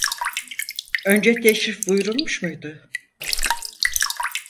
Önce teşrif buyrulmuş muydu?